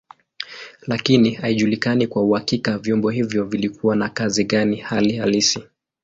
Lakini haijulikani kwa uhakika vyombo hivyo vilikuwa na kazi gani hali halisi.